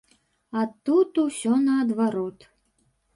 А тут усё наадварот.